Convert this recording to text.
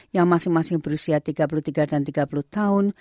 yang masing masing berusia tiga puluh tiga dan tiga puluh tahun